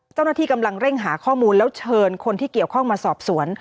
เจ้าหน้าที่กำลังเร่งหาข้อมูลแล้วเชิญคนที่เกี่ยวข้องมาสอบสวน